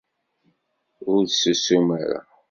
Ur ssusum ara!